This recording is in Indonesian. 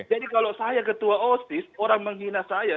jadi kalau saya ketua osis orang menghina saya